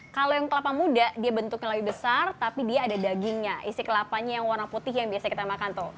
kalau yang kelapa muda dia bentuknya lebih besar tapi dia ada dagingnya isi kelapanya yang warna putih yang biasa kita makan tuh